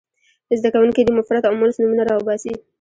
زده کوونکي دې مفرد او مؤنث نومونه را وباسي.